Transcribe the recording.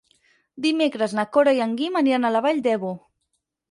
Dimecres na Cora i en Guim aniran a la Vall d'Ebo.